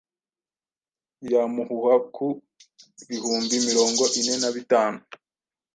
yamumuha ku bihumbi mirongo ine nabitanu